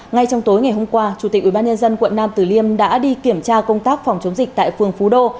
ngay trong tối ngày hôm qua chủ tịch ubnd quận nam tử liêm đã đi kiểm tra công tác phòng chống dịch tại phường phú đô